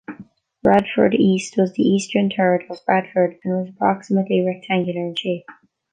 Bradford East was the eastern third of Bradford and was approximately rectangular in shape.